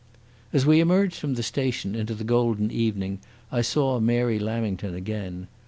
As we emerged from the station into the golden evening I saw Mary Lamington again.